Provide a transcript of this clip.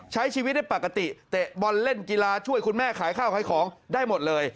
ใช้ชีวิตได้ปกติเตะบอลเล่นกีฬาช่วยคุณแม่ขายข้าวขายของได้หมดเลย